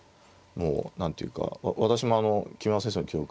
もう何ていうか私もあの木村先生の記録